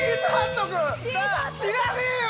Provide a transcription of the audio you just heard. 知らねえよ！